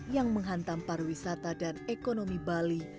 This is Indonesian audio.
yang menghantam pariwisata dan ekonomi bali